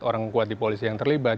orang kuat di polisi yang terlibat